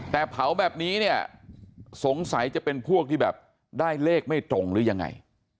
แต่เผาแบบนี้เนี่ยสงสัยจะเป็นพวกที่แบบได้เลขไม่ตรงหรือยังไง